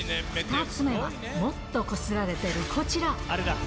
２つ目は、もっとこすられてるこちら。